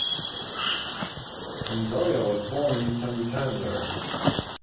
Cendoya was born in Santander.